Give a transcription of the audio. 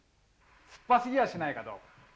酸っぱすぎやしないかどうか。